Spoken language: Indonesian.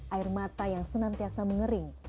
air mata yang senantiasa mengering